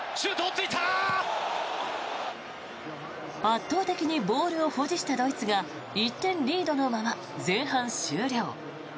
圧倒的にボールを保持したドイツが１点リードのまま前半終了。